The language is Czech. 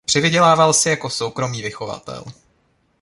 Přivydělával si jako soukromý vychovatel.